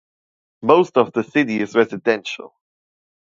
Most of the city is residential.